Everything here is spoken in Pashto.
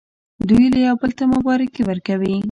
دوی یو بل ته مبارکي ورکوي.